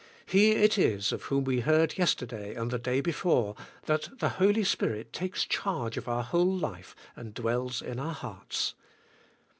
He it is of whom we heard yesterday and the day before, that the Holy Spirit takes charg e of our v/hole life and dwells in our hearts.